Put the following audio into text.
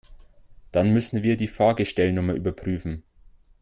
Dann müssen wir die Fahrgestellnummer überprüfen.